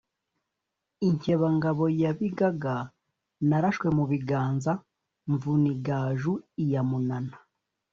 Inkebamugabo ya Bigaga, narashwe mu biganza mvuna igaju lya Munana.